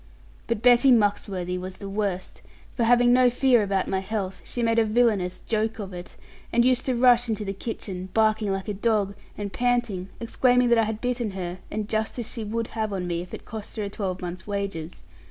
But Betty Muxworthy was worst; for, having no fear about my health, she made a villainous joke of it, and used to rush into the kitchen, barking like a dog, and panting, exclaiming that I had bitten her, and justice she would have on me, if it cost her a twelvemonth's wages.